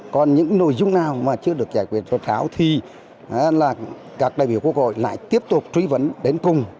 còn những nội dung nào mà chưa được giải quyết rõ ràng thì các đại biểu quốc hội lại tiếp tục truy vấn đến cùng